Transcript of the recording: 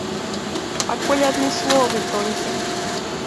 Пакуль адны словы толькі!